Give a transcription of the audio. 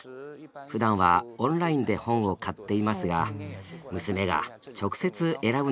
ふだんはオンラインで本を買っていますが娘が直接選ぶのでより意味があると思います。